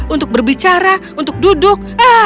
untuk berbicara untuk duduk